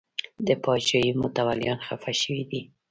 د پاچاهۍ متولیان خفه شوي دي.